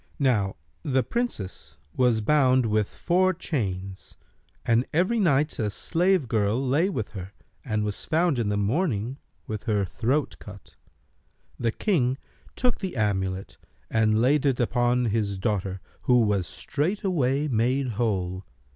Now the Princess was bound with four chains, and every night a slave girl lay with her and was found in the morning with her throat cut. The King took the amulet and laid it upon his daughter who was straightway made whole.